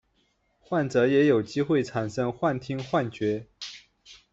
患者也有机会产生幻听幻觉。